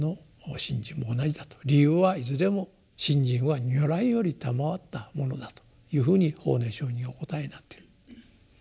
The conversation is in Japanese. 理由は「いずれも信心は如来よりたまわったものだ」というふうに法然上人お答えになっている。